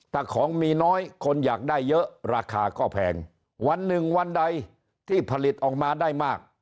ถ้าของมีน้อยคนอยากได้เยอะราคาก็แพงวันหนึ่งวันใดที่ผลิตออกมาได้มาก